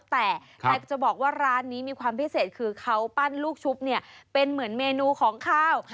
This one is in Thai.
แต่จะบอกว่าร้านนี้มีความพิเศษคือเขาปั้นลูกชุบเนี่ยเป็นเหมือนเมนูของข้าว